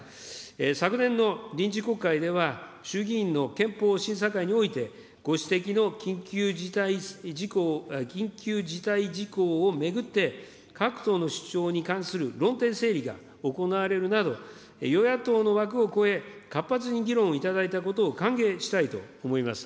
昨年の臨時国会では、衆議院の憲法審査会において、ご指摘の緊急事態事項を巡って、各党の主張に関する論点整理が行われるなど、与野党の枠を超え、活発に議論いただいたことを歓迎したいと思います。